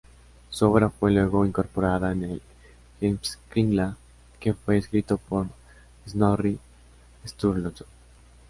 Su obra fue luego incorporada en el Heimskringla que fue escrito por Snorri Sturluson.